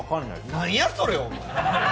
何やそれお前！